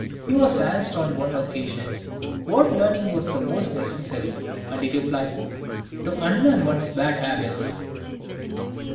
He was asked on one occasion what learning was the most necessary, and he replied, " To unlearn one's bad habits."